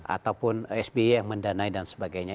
ataupun sby yang mendanai dan sebagainya